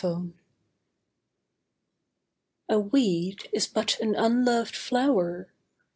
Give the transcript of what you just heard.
THE WEED A weed is but an unloved flower!